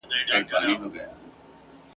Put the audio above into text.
لوری مي نه پېژنم ..